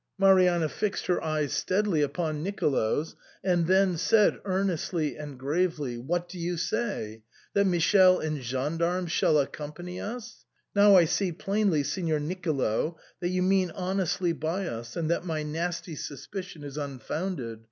Marianna fixed her eyes steadily upon Nicolo's, and then said, earnestly and gravely, " What do you say ? That Michele and gendarmes shall accompany us? Now I see plainly, Signor Nicolo, that you mean honestly by us, and that my nasty suspicion is un founded.